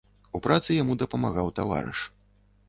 У працы яму дапамагаў таварыш.